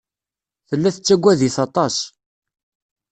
Tella tettagad-it aṭas.